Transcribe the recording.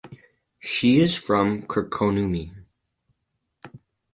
She is from Kirkkonummi.